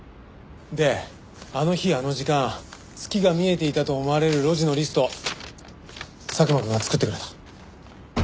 であの日あの時間月が見えていたと思われる路地のリスト佐久間くんが作ってくれた。